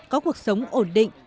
có cuộc sống ổn định